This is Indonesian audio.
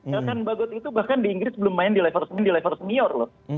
bahkan bagot itu bahkan di inggris belum main di level senior loh